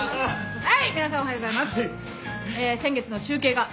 はい。